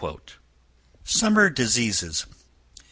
Summer Diseases.